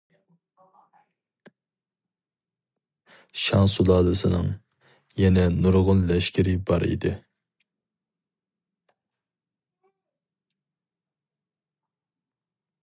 شاڭ سۇلالىسىنىڭ يەنە نۇرغۇن لەشكىرى بار ئىدى.